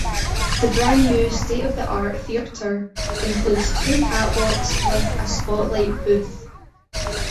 The brand new, state-of-the-art theatre includes two catwalks with a spotlight booth.